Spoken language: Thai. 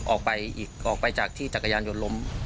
ออกไปอีกออกไปจากที่จักรยานยนต์ล้ม